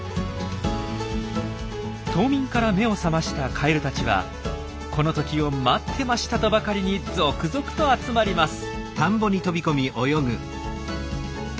冬眠から目を覚ましたカエルたちはこの時を待ってましたとばかりに続々と集まります。